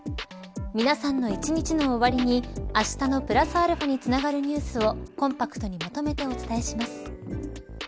皆さんの一日の終わりにあしたのプラスαにつながるニュースをコンパクトにまとめてお伝えします。